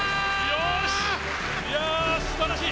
よし！